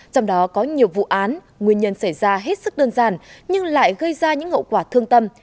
trong đó có nhiều vụ án nguyên nhân xảy ra hết sức đơn giản nhưng lại gây ra những hậu quả thương tâm